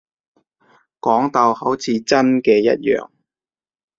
講到好似真嘅一樣